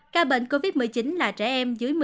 ca bệnh covid một mươi chín là trẻ em dưới một mươi sáu tuổi